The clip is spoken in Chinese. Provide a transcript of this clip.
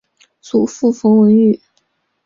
祖父冯文玉。